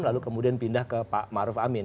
lalu kemudian pindah ke pak maruf amin